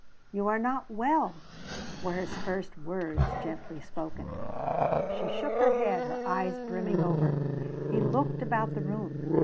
"You are not well," were his first words, gently spoken. She shook her head, her eyes brimming over. He looked about the room.